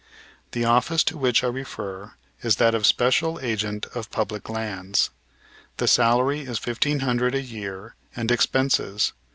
The office to which I refer is that of special agent of public lands. The salary is fifteen hundred a year and expenses.